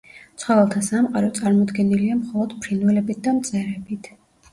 ცხოველთა სამყარო წარმოდგენილია მხოლოდ ფრინველებით და მწერებით.